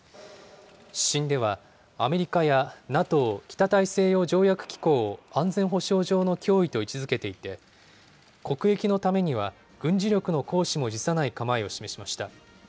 指針では、アメリカやＮＡＴＯ・北大西洋条約機構を安全保障上の脅威と位置づけていて、国益のためには軍事力の行使も辞さない構えを示しました。